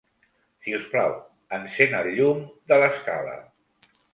Si us plau, encén el llum de l'escala.